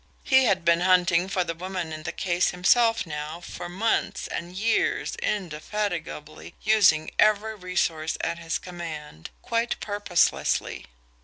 He had been "hunting for the woman in the case" himself, now, for months and years indefatigably, using every resource at his command quite purposelessly.